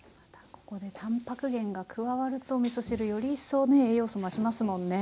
ここでたんぱく源が加わるとみそ汁よりいっそうね栄養素増しますもんね。